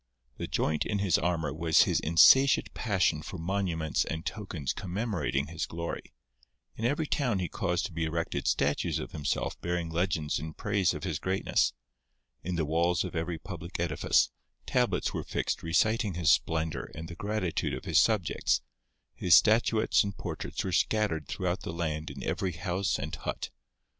The joint in his armour was his insatiate passion for monuments and tokens commemorating his glory. In every town he caused to be erected statues of himself bearing legends in praise of his greatness. In the walls of every public edifice, tablets were fixed reciting his splendour and the gratitude of his subjects. His statuettes and portraits were scattered throughout the land in every house and hut.